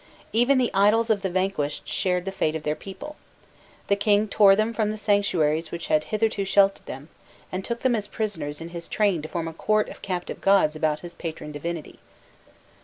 Even the idols of the vanquished shared the fate of their people: the king tore them from the sanctuaries which had hitherto sheltered them, and took them as prisoners in his train to form a court of captive gods about his patron divinity.